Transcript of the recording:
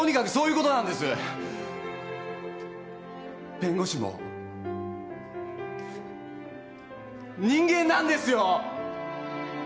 弁護士も人間なんですよ！